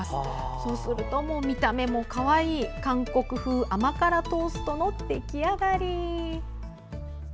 そうすると見た目もかわいい韓国風の甘辛トーストの出来上がり。